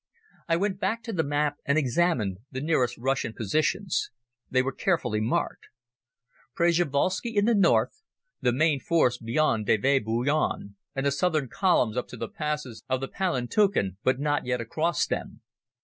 I went back to the map and examined the nearest Russian positions. They were carefully marked. Prjevalsky in the north, the main force beyond Deve Boyun, and the southern columns up to the passes of the Palantuken but not yet across them.